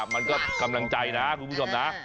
มันก็กำลังใจนะคุณผู้ชมนะ